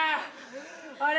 あれ？